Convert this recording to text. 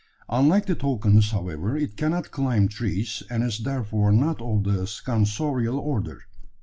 Unlike the toucans, however, it cannot climb trees, and is therefore not of the Scansorial order.